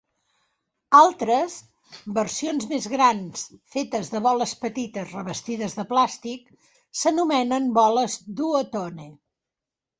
Altres, versions més grans fetes de boles petites revestides de plàstic, s'anomenen boles Duotone.